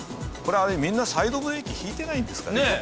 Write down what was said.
これみんなサイドブレーキ引いてないんですかね？